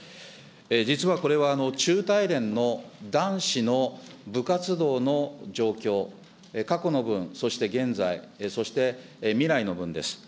実はこれは中体連の男子の部活動の状況、過去の分、そして現在、そして未来の分です。